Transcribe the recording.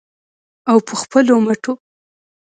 او په خپلو مټو.